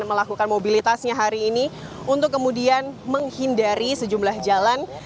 melakukan mobilitasnya hari ini untuk kemudian menghindari sejumlah jalan